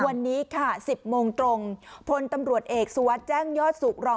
วันนี้ค่ะ๑๐โมงตรงพลตำรวจเอกสุวัสดิ์แจ้งยอดสุขรอง